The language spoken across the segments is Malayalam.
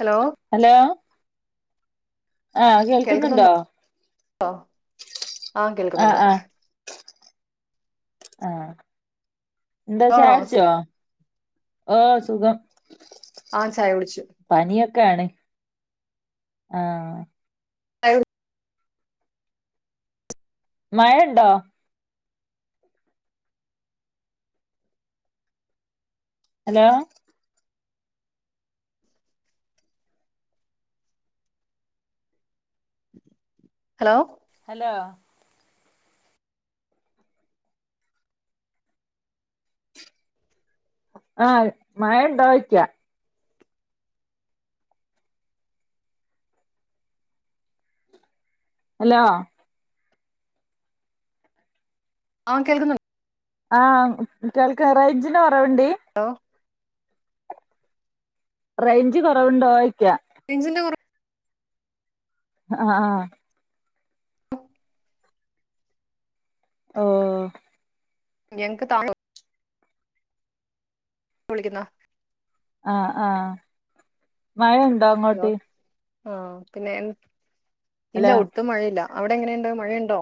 ഹലോ ഹലോ ആഹ് കേൾക്കുന്നുണ്ടോ [inaudible] ആ ആഹ് കേൾക്കുന്നുണ്ട് ആഹ് ആഹ് എന്താ ചായ ആണോ സുഖ കുടിച്ചോ ഓ സുഖം ആ ചായ കുടിച്ചു പനിയൊക്കെ ആണ് ആഹ് [inaudible] മഴ ഉണ്ടോ ഹലോ ഹലോ ഹലോ ആഹ് മഴ ഉണ്ടോ ചൊയ്ക്കാ ഹലോ ആഹ് കേൾക്കുന്നു ആഹ് കേൾക്ക റൈഞ്ചിൻ്റെ കുറവുണ്ട് ഹലോ റേഞ്ച് കുറവുണ്ടോ ആയിക്ക റേഞ്ചിന്റെ കുറവ് ആഹ ആഹ ഓഹ് ഓഹ് ഞങ്ങക്ക് വിളിക്കുന്നോ ആഹ് ആഹ് മഴണ്ടോ അങ്ങോട്ട് ആഹ പിന്നെ ഇല്ല ഹലോ ഒട്ടുംമഴയില്ല അവിടെ എങ്ങനെയുണ്ട് മഴയുണ്ടോ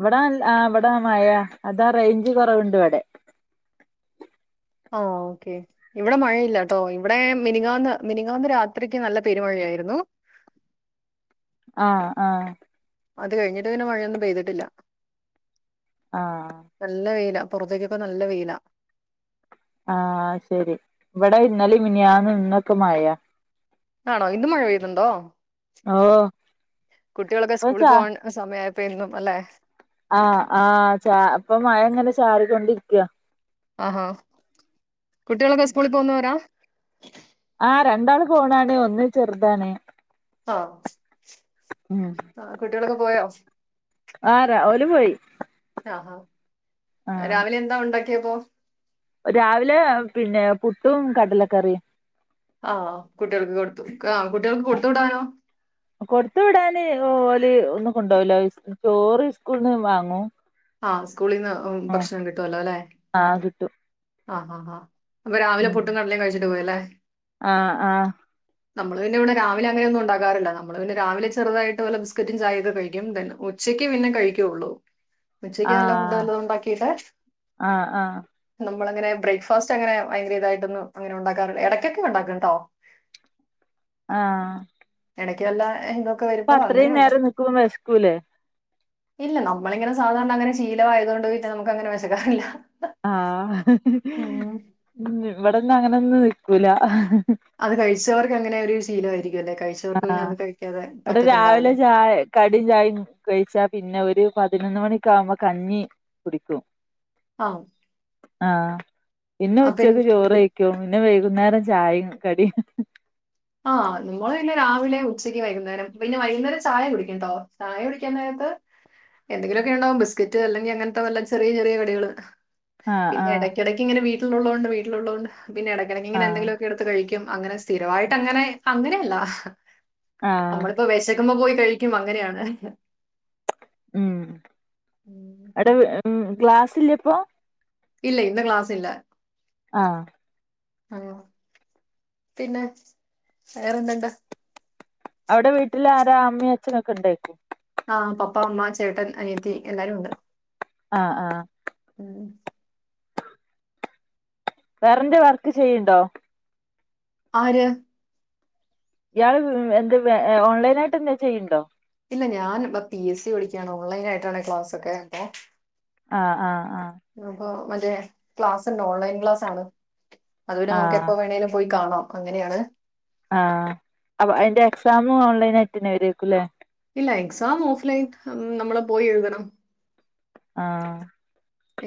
ഇവിടാ ആ ഇവിടൊ മഴ അതാ റേഞ്ച് കുറവുണ്ട് ഇവിടെ ആ ഓക്കെ ഇവിടെ മഴയില്ല കേട്ടോ ഇവിടെ മിനികാന് മിനിങ്ങാന്ത രാത്രിക്ക് നല്ല പെരുമഴയായിരുന്നു ആഹ് ആഹ് അത് കഴിഞ്ഞിട്ട് പിനെ മഴയൊന്നും പെയ്തിട്ടില്ല ആഹ് നല്ല വെയില പുറത്തേക്കൊക്കെ നല്ല വെയില ആഹ ശരി ഇവിടെ ഇന്നലെ മിനിയാന്ന് ഇന്നൊക്കെ മഴ ആണോ ഇന്ത് മഴ പെയ്യതുണ്ടോ ഓഹ് കുട്ടികളൊക്കെ സ്കൂളിൽ പോകൻ സമയപ്പോ ഇന്നും അല്ലെ ആഹ് ആഹ് പ്പൊ മഴ ഇങ്ങനെ ചാറിക്കൊണ്ടിരിക്ക ആഹാ കുട്ടികളൊക്കെ സ്കൂളിൽ പോകുന്നവരാ ആഹ് രണ്ടാള് പോണാണ് ഒന്ന് ചെറുതാണ് ഉം ആഹ് കുട്ടികളൊക്കെ പോയോ ആഹ് രാവിലെ പോയി ആഹാ ആഹ് രാവിലെ എന്താ ഉണ്ടാക്കിയപ്പോ രാവിലെ പിന്നെ പുട്ടും കടലക്കറിയും ആ കുട്ടികൾക്ക് കൊടുത്തു ആ കുട്ടികൾക്ക് കൊടുത്തു വിടാനോ കൊടുത്തു വിടാന് ഓല് ഒന്നും കൊണ്ടു പോകുല ചോറ് സ്കൂളിൽ നിന്ന് വാങ്ങൂം ആഹ് സ്കൂളിൽന്ന് ഭക്ഷണം കിട്ടുവല്ലോ അല്ലെ ആഹ് കിട്ടും ആഹ് ആഹ് ആഹ് അപ്പൊ രാവിലെ ഉം പുട്ടും കടലേ കഴിച്ചിട്ട് പോയല്ലേ ആഹ് ആഹ് നമ്മള് പിന്നെ ഇവിടെ രാവിലെ അങ്ങനൊന്നും ഉണ്ടാറില്ല നമ്മള് പിന്നെ രാവിലെുതായിട്ട്ല ബിസ്കറ്റും ചായ്ത് കഴിക്കും ഉച്ചക്ക് പിന്നെ കഴിക്കുള്ളൂ ഉച്ചക്ക് നല്ല ഫുഡ് ആഹ് നല്ലത് ഉണ്ടാക്കിട്ടെ ആഹ് ആഹ് നമ്മള അങ്ങനെബ്രേക്ക് ഫാസ്റ്റ് അങ്ങനെ ഭയങ്കര ഇതായിട്ടൊന്നും അങ്ങനെ ഉണ്ടാക്കാറില്ല ഇടയ്ക്കൊക്കെ ഉണ്ടാക്കും കേട്ടോ ആഹ് ഇടയ്ക്കുവല്ലോ ഏഹ് അപ്പൊ അത്രയും നേരം നിക്കുമ്പോ വിശക്കൂലേ ഇല്ല നമ്മളിങ്ങനെ സാധാരണ അങ്ങനെ ശീലമായതകൊണ്ട് നമുക്ക് അങ്ങനെ വെശക്കാറില്ല ആഹ് ഇവിടെന്ന അങ്ങനെന്നും നിൽക്കൂല അത് കഴിച്ചവർക്ക് അങ്ങനെ ഒരു ശീലമായിരിക്കും അല്ലെ കഴിച്ചവർക്ക് ആഹ് പിന്നെ അത് കഴിക്കാതെ പറ്റത്തുണ്ടാവില്ല കടീം ചായയും കഴിച്ചാ പിന്നെ ഒരു പതിനൊന്ന് മണിക്ക ആവുമ്പോ കഞ്ഞി കുടിക്കും ആഹ് ആഹ് ഇന്നെ എനി ഉച്ചക്ക് ചോറ് പിന്നെ വൈകുന്നേരം ചായയും കടിയും ആഹ് നമ്മള് പിന്നെ രാവിലെ ഉച്ചയ്ക്ക് വൈകുന്നേരം പിന്നെ വൈകുന്നേരം ചായ കുടിക്കും ട്ടോ ചായ കുടിക്കൻ നേരത്ത് എന്തെങ്കിലുമൊക്കെ ഉണ്ടാവും ബിസ്ക്കറ്റ് അല്ലെങ്കിലേ അങ്ങനത്തെ വല്ല ചെറിയ ചെറിയ കടികള് ആഹ് പിന്നെ ആഹ് ഇടക്കിടക്ക് ഇങ്ങനെ വീട്ടുള്ളള്ളുകൊണ്ട് വിട്ടിലുള്ളതൊണ്ട് പിന്നെടക്കിടക്ക് ആഹ് ഇങ്ങനെന്തങ്കിലുമൊക്കെ എടു എടുത്തു കഴിക്കും അങ്ങനെ സ്ഥിരമായിട്ട് അങ്ങനെ അങ്ങനെയല്ല ആഹ് നമ്മളിപ്പോ [unintelligible] കിട്ടുമ്പോൾ പോയി കഴിക്കും അങ്ങനെയാണ് ഉം ഉം. അവിടെ ഉം ക്ലാസില്ലേ ഇപ്പം ഇല്ല ഇന്ന് ക്ലാസ് ഇല്ല ആഹ് ഓഹ് പിന്നെ വേറെന്തുണ്ട് അവിടെ വീട്ടിൽ ആരാ അമ്മയും അച്ഛനൊക്കെ ഉണ്ടേ ആഹ് പപ്പ അമ്മ ചേട്ടൻ അനിയത്തി എല്ലാരും ഉണ്ട് ആഹ ആഹ് ഉം വേറെന്റെ വർക്ക് ചെയ്തോ ആര് ഇയാള് എന്ത് ഓൺലൈനായിട്ട് എന്ത് ചെയ്യണ്ടോ ഇല്ല ഞാൻ ഇ പി എസ് സി പഠിക്കയാണ് ഓൺലൈൻ ആയിട്ടാണ് ക്ലാസ് ഒക്കെ കേട്ടോ ആഹ് ആഹ് ആഹ് അപ്പൊ മറ്റേ ക്ലാസ് ഉണ്ട് ഓൺലൈൻ ക്ലാസാണ് അതുവലെ നമുക്ക് ആഹ് എപ്പോ വേണെേലും പോയി കാണാം അങ്ങനെയാണ് ആഹ് അപ്പൊ അതിന്റെ എക്സാ എക്സാമും ഓൺലൈൻ ആയിട്ട് തന്നെ വരക്കുല്ലേ ഇല്ല എക്സാം ഓഫ് ലൈൻ ഉം നമ്മള് പോയി എഴുതണം ആ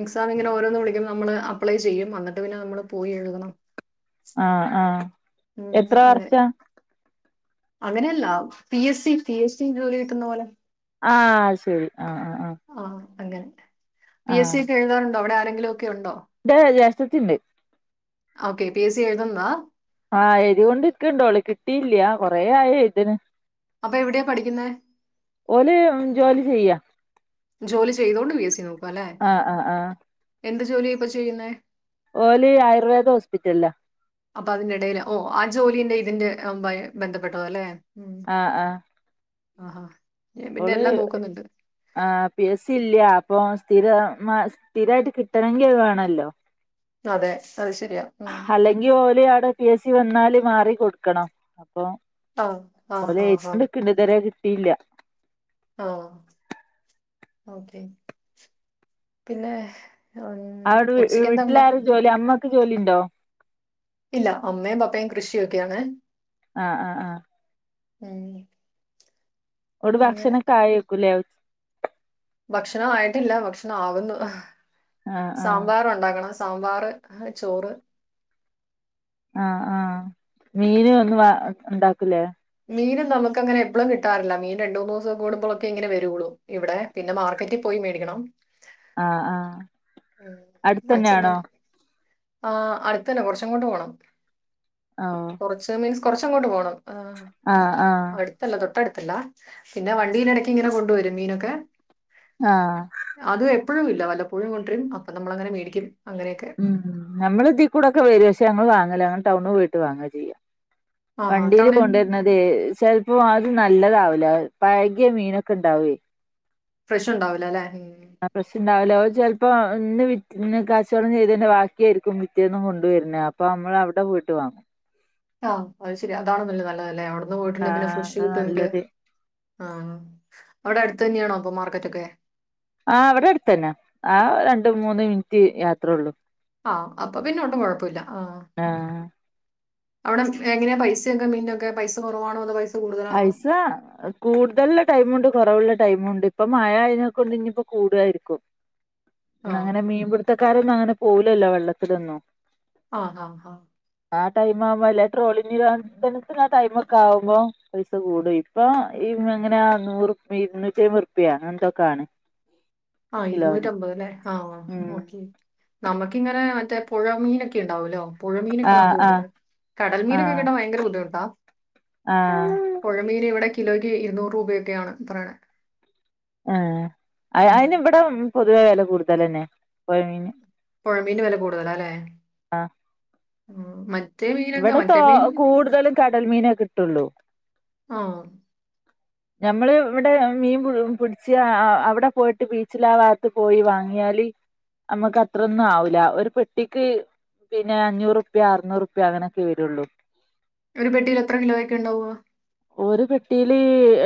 എക്സാം ഇങ്ങനെ ഓരോന്ന് വിളിക്കുമ്പം നമ്മള് അപ്ലൈ ചെയ്യും അന്നട്ട് പിന്നെ നമ്മള് പോയി എഴുതണം ആഹ് ആഹ് ഉം എത്ര അങ്ങനെ വർഷാ അങ്ങനല്ല P S C P S C ജോലി കിട്ടുന്ന പോലെ ആ ശരി ആ ആ ആ ആ അങ്ങനെ പി എസ് സി ഒക്ക എഴുതാറുണ്ടോ അവടെ ആരെങ്കിലും ഒക്ക ഉണ്ടോ ഇന്റെ ജേഷ്ട്ടത്തി ഇണ്ട് ഓക്കെ പി എ സി എഴുതുണ്ടോ ആ എയ്തി കൊണ്ട് ഇര്ക്ക്ണ്ട് ഓള് കിട്ടീല്ല കൊറേ ആഴി എയ്ത്ണ് അപ്പ എവിടെയാ പഠിക്കുന്നെ ഓല് ഉം ജോലി ചെയ്യാ ജോലി ചെയ്തൊണ്ട് പി എ സി നോക്ക ലെ ആ ആ ആ എന്ത് ജോലിയ ഇപ്പ ചെയ്യുന്നെ ഓല് ആയുർവേദ ഹോസ്പിറ്റൽല്ല അപ്പൊ അതിന്റെ എടേല് ഓ ആ ജോലീന്റെ ഇതിന്റെ ബ ബന്ധപ്പെട്ടത ല്ലെ ഉം ആഹ് ആഹ് ആഹാ ഞാൻ പിന്നെ ഓള് എല്ലാം നോക്കുന്നുണ്ട് ആ പി എസ് സി ഇല്ല അപ്പൊ സ്ഥിരമാ സ്ഥിരായിട്ട് കിട്ടണങ്കി അത് വേണല്ലോ അതെ അത് ശരിയാ ഉം. അല്ലെങ്കി ഓല് അവ്ടെ പി എസ് സി വന്നാല് മാറി കൊട്ക്കണം അപ്പൊ ആ ആ ഓല് ആ ആ എയ്തിക്കെണ്ട്ക്ക്ണ്ട് ഇതു വരെ കിട്ടീല്ല ആ ഓക്കെ പിന്നെ ഉം, അവ്ടെ വീ ഉച്ചയ്ക്ക് എന്താ ഉണ്ടാക്കി വീട്ടിലാരും ജോലി അമ്മക്ക് ജോലി ഇണ്ടോ ഇല്ല അമ്മയും പപ്പയും കൃഷി ഒക്കെ ആണ് ആ ആ ആ ഉം ട് അങ്ങനെ ഭക്ഷണ ഒക്ക ആയയ്ക്കു ലെ ഭക്ഷണം ആയിട്ടില്ല ഭക്ഷണം ആവുന്നു സാ ആഹ് ആഹ് സാമ്പാറ് ഉണ്ടാക്കണം സാമ്പാറ് ചോറ് ആ ആ മീന് ഒന്നും വ ഇണ്ടാക്കൂലേ മീന് ഒന്നും നമുക്ക് അങ്ങനെ എപ്പളും കിട്ടാറില്ല മീൻ രണ്ട് മൂന്ന് ദിവസം കൂടുമ്പോളോക്കെ ഇങ്ങനെ വരോള്ളൂ ഇവ്ടെ പിന്നെ മാർക്കറ്റി പോയി മേടിക്കണം ആഹ് ആഹ് ഉം ‌ അച്ഛൻ വെ അടുത്തന്നെയാണോ ആ അട്ത്തന്ന കൊർച്ചങ്ങോട്ട് പോണം. അ ഓ കൊർച്ച് മീൻസ് കൊർച്ചങ്ങോട്ട് പോണം ആ ആ ആ അട്ത്തല്ല തൊട്ടട്ത്തല്ല പിന്നെ വണ്ടീലടക്കിങ്ങനെ കൊണ്ടുവരും മീനൊക്കെ ആ അതു എപ്പഴുന്നില്ല വല്ലപ്പോഴും കൊണ്ട്രും അപ്പം നമ്മളങ്ങനെ മേടിക്കും അങ്ങനെയൊക്കെ. ഉം ‌ നമ്മള് ഇദീകൂടക്കെ വരും പക്ഷെ അങ്ങള് വാങ്ങല ഞങ്ങള് ടൗണ് പോയിട്ട് വാങ്ങ ചെയ്യാ ആഹാ വണ്ടീല് തവണ കോണ്ടേ ണതെ ചെൽപ്പോ അത് നല്ലതാവുല പയകിയ മീനൊക്ക ഇണ്ടാവെ ഫ്രഷു ഇണ്ടാവുല ലെ ഉം ആ് പ്രശ്നണ്ടാവൂല ഓൽ ചെൽപ്പോ ഇന്ന് വിറ്റ് ഇന്ന് കച്ചോടം ചെയ്തീൻ്റെ വാക്യായ്ര്ക്കും പിറ്റേന്ന് കൊണ്ടുവര്ന്നെ അപ്പ് പ്പ അമ്മള അവടെ പോയി്ട്ട് വാങ്ങും ആഹ് അയ് ശരി അതാണ് നല്ലതല്ലതല്ലേ അവുട്ന്ന് പോയിട്ടുണ്ടേ പിന്നെ ആഹ് ഫ്രഷ് അതാ കിട്ടുവെങ്കി നല്ലത് ആ അവിടെ അടുത്തന്യാണോ അപ്പൊ മാർക്കറ്റൊക്കെ ആ ഇവിടാട്തന്നെ ആ രണ്ട് മൂന്ന് മിൻറ്റ് യാത്രോള്ളു ആഹ് അപ്പൊ പിന്നോട്ടും കൊഴുപ്പൊല്ല ആ ആഹ് അവിടെ എങ്ങനെയ പൈസോക്കെ മീൻനൊക്കെ പൈസ കൊറവാണോ അതോ പൈസ് പൈസാ അപ് കൂടുതൽല്ല ടൈമുണ്ട് കൊറവ്ള്ള ടൈമുണ്ട് ഇപ്പൊ മയ ആയ്നേക്കോണ്ട്ഞ്ഞിപ്പോ കൂടായെര്ക്കും ആ പിന്നെങ്ങനെ മീംപിട്ത്തക്കാരൊന്നും അങ്ങനെ പോവുലല്ലോ വള്ളത്തിലൊന്നും ആഹ് ആഹ് ആഹ് ആ ടൈം ആവുമ്പോ വല്ലേ ട്രോളി നിരോധന [unintelligible] ആ ടൈം ഒക്ക ആവുമ്പോ പൈസ കൂടും ഇപ്പൊ ഈ ഇങ്ങനെ ആ നൂറ് ഇരുന്നൂറ്റയ്‌മ്പതുർപ്പിയ അങ്ങന്തൊക്കൊണ് ആ ഇരുന്നൂറ്റമ്പതല്ലേ ആഹ് ഉം ഓക്കെ നമക്കിങ്ങനെ മറ്റേ പുഴ മീനൊക്കെണ്ടാവോലോ പുഴമീനൊക്കെ ആഹ് നമുക്ക് ആഹ് കിട്ടുന്നെ കടൽ മീനൊക്കെ ആഹ് കിട്ടാൻ വയങ്കര ബുദ്ധിമുട്ടാ ആഹ് പുഴമീന് ഇവിടെ കിലോയ്ക്ക് ഇരുന്നൂറ് രൂപയൊക്കെയാണ് പറയ്ണെ ആ അ ഉം. അയിന് ഇവിടേം പൊതുവേ വെല കൂടുതലന്നെ പൊയമീൻന് പൊഴമീൻന് വെല കൂട്തലാലേ ഉം മറ്റ് ഇവിടെ തോ കൂട്തലും കടൽമീനെ കിട്ടൊള്ളൂ ആഹ് നമ്മള് ഇവിടെ മീം പു പുടിച്ചാ അ അവിടെ പോയിട്ട് ബീച്ചിലാവാത്ത് പോയി വാങ്ങിയാല് ഞമ്മക്കത്രൊന്നുആവൂല ഒരു പെട്ടിക്ക് പിന്നെ അഞ്ഞൂറുപ്യ അറുന്നൂറുപ്യ അങ്ങനൊക്കെ വെരൊള്ളൂ ഒരു പെട്ടീല് എത്ര കിലോയൊക്കെ ഇണ്ടാവാ ഒരു പെട്ടീല്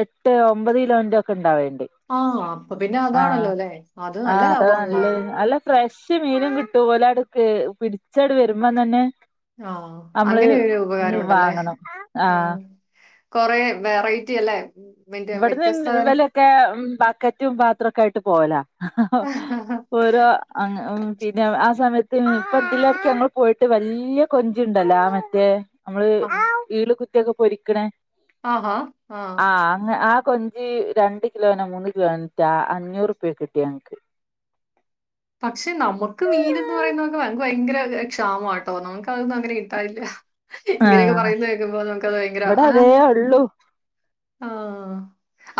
എട്ട് ഒമ്പത് കിലോൻ്റോക്കെ ഇണ്ടാവെൽണ്ട് ആ അപ്പൊപിന്നെ അതാണല്ലോല്ലെ അത് നല്ല ലാഭാണ്ലോ ഫ്രഷ്മീനും കിട്ടും ഓലവ്ട്ക്ക് പിടിച്ചണ് വെരുമ്പോതന്നെ ആഹ് അങ്ങനേരു ഉപകാരമുണ്ടല്ലേ ആഹ് കൊറേ വെറൈറ്റിയല്ലേ ഉം ഇവിട്ന്ന് ഉം വലൊക്കെ ഉം ബക്കറ്റും പാത്രോക്കായിട്ട് പോവല ഒരാ അങ്ങ് അഉ പിന്നെ ആ സമയത്ത് ഇപ്പതിലൊക്കെങ്ങൾ പോയിട്ട് വല്ല്യ കൊഞ്ചുണ്ടല്ലാ ആ മറ്റേ ഞമ്മള് ഈള് കുത്ത്യോക്കെ പൊരിക്ക്ണേ ആഹാ ആഹ് ങ്ങേ ആ കൊഞ്ചി രണ്ട് കിലോനോ മൂന്ന് കിലോനോറ്റെ ആ അഞ്ഞൂറുപ്യേകിട്ട്യാഞൻക്ക്. പക്ഷെ നമൊക്ക് മീനെന്ന് പറയുന്നവയങ്കര ക്ഷാമാട്ടോ നമൊക്ക് അതൊന്നും അങ്ങനെ കിട്ടാറില്ല ഇങ്ങനെയൊക്കെ ആഹ് പറയുന്നെ കേക്കുമ്പോ നമുക്കത് ഭയങ്കര ഇവിടെ ആ അതേ ഉള്ളൂ ആഹ്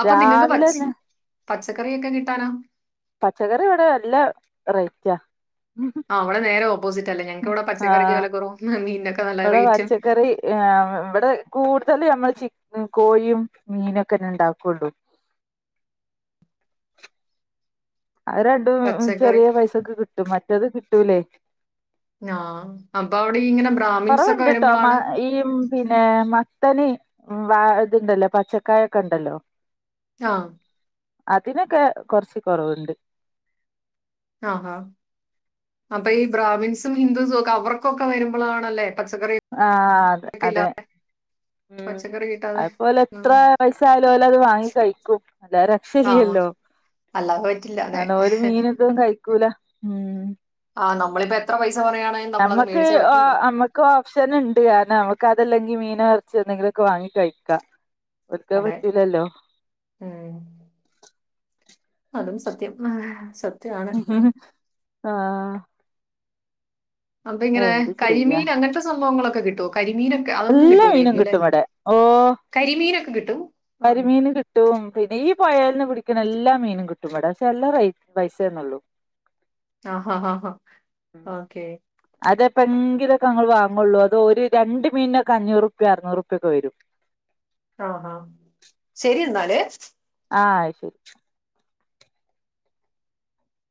അപ്പൊ നിങ്ങക്ക് പച് രാവിലെന്നെ പച്ചക്കറിയൊക്കെ കിട്ടാനോ? പച്ചക്കറി ഇവടെ നല്ല റേറ്റ ആഹ് അവടെ നേരെ ഓപ്പോസിറ്റല്ലെ ഞങ്ങക്കിവിടെ പച്ചക്കറിക്ക് വില കൊറവും മീന്നൊക്ക നല്ല റേറ്റും ഏഹ് വടെ കൂടുതല് ഞമ്മൾ ചിക് കോഴിയും മീനൊക്കെന്നെണ്ടാക്കൊള്ളൂ അഹ് രണ്ടും പച്ചക്കറി ചെറിയ പൈസക്ക് കിട്ടും മറ്റത് കിട്ടൂലേ ഞാഹ് അപ്പൊ അവിടീങ്ങനെ ബ്രാഹ്മിൻസൊക്കെ വരുമ്പളാണ് ഈയിം പിന്നെ മത്തന് വഹ് ഇതുണ്ടല്ലോ പച്ചക്കായൊക്കണ്ടല്ലോ. ആഹ് അതിനൊക്കെ കൊർച്ച് കൊറവുണ്ട്. ആഹാ അപ്പൊ ഈ ബ്രാഹ്മിൻസും ഹിന്ദൂസും ഒക്കെ അവർക്കൊക്കെ വരുമ്പളാണല്ലേ പച്ചക്കറി ആഹ് ക്കില്ലാതെ ഉം അത്പോലെത്ര ഉം. പൈസായാലും ഓലത് വാങ്ങി കയിക്കും. അല്ലാത ആ രക്ഷില്ല്യല്ലോ. അല്ലാതെ പറ്റില്ല അതെ. മീനെപ്പയും കയിക്കൂല ഉം. ആഹ് നമ്മളിപ്പോ എത്ര പൈസ പറയാണെലും നമ്മളത് മേടിച്ചേ പറ്റുള്ളൂ. ക്ക് ഓപ്ഷനിണ്ട് കാരണം നമക്ക് അതല്ലെങ്കി മീനോ എർച്ചിയോ എന്തെങ്കിലൊക്കെ വാങ്ങി കഴിക്കാ. ഓര്ക്ക അതെ പറ്റൂലല്ലോ. ഉം അതും സത്യം. സ ആഹ് അപ്പങ്ങിനെ എന്ത് ചെയ്യാ കരിമീൻ അങ്ങൻത്തെ സംഭവങ്ങളൊക്കെ കിട്ടോ? കരിമീനെ എല്ലാ മീനും കിട്ടും വടെ. ഓഹ് കരിമീനൊക്കെ കിട്ടും കരിമീന് കി ട്ടും പിന്നെ ഈ പുഴേൽന്ന് പിടിക്ക്ണ എല്ലാ മീനും കിട്ടും വടെ. പക്ഷെ നല്ല റെയ് പൈസേന്നൊള്ളൂ. ആഹ് ഹാ ഹാ ഓക്കെ. അതെപ്പെങ്കിലൊക്കെ ഞങ്ങള് വാങ്ങൊള്ളൂ, അത് ഓര് രണ്ട് മീനൊക്കെ അഞ്ഞൂറുപ്യ അർന്നൂറുപ്യൊക്കെ വെരും. ആഹാ ശെരിയന്നാല്. ആഹ് ശെരി.